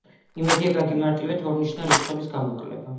იმედია გაგიმარტივეთ ორნიშნა რიცხვების გამოკლება.